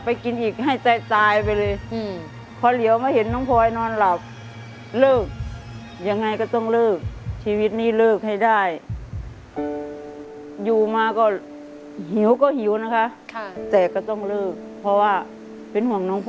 ปีการใช้เท่าปริศน์เนี้ยครับ